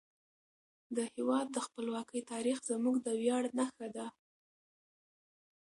د هیواد د خپلواکۍ تاریخ زموږ د ویاړ نښه ده.